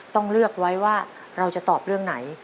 ต้องเลือกไว้ว่าเราจะตอบเรื่องไหน